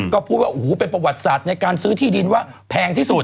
ก็พูดว่าโอ้โหเป็นประวัติศาสตร์ในการซื้อที่ดินว่าแพงที่สุด